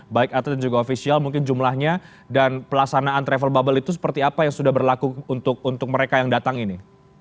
baik atlet dan juga ofisial mungkin jumlahnya dan pelaksanaan travel bubble itu seperti apa yang sudah berlaku untuk mereka yang datang ini